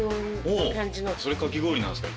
それかき氷なんすか？